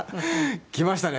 きましたね。